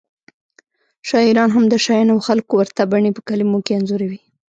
شاعران هم د شیانو او خلکو ورته بڼې په کلمو کې انځوروي